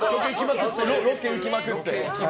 ロケ行きまくって。